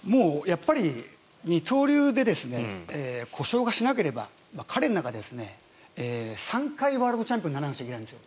やっぱり二刀流で故障しなければ彼の中で３回ワールドチャンピオンにならないといけないんです